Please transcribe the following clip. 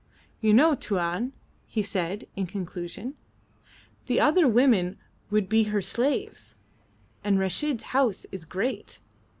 "You know, Tuan," he said, in conclusion, "the other women would be her slaves, and Reshid's house is great.